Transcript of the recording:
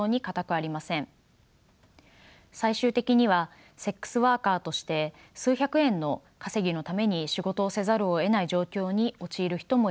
最終的にはセックスワーカーとして数百円の稼ぎのために仕事をせざるをえない状況に陥る人もいます。